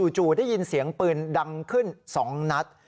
จู่ได้ยินเสียงปืนดังขึ้น๒นัด